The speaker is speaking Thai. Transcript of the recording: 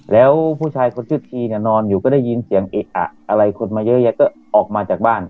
แล้วผู้ชายคนชื่อทีเนี่ยนอนอยู่ก็ได้ยินเสียงเอะอะอะไรคนมาเยอะแยะก็ออกมาจากบ้าน